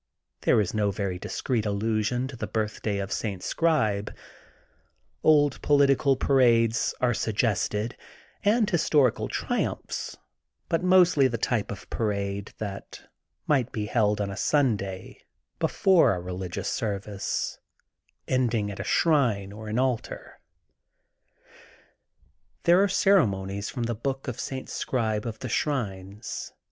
There is no very direct al lusion to the Birthday of St. Scribe, Old political parades are suggested and historical triumphs, but mostly the type of parade that might be held of a Sunday before a religious service, ending at a shrine or an altar. There are ceremonies from the book of St. Scribe of the Shrines.